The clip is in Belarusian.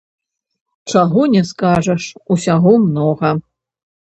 Чаго не скажаш, усяго многа.